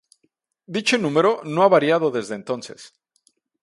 Dicho número no ha variado desde entonces.